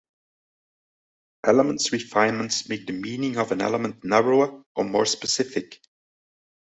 Elements refinements make the meaning of an element narrower or more specific.